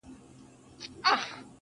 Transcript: ما يې اوږده غمونه لنډي خوښۍ نه غوښتې.